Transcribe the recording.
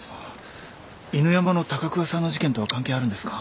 犬山の高桑さんの事件とは関係あるんですか？